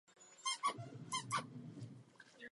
Dále vystupoval s různými hudebními skupinami.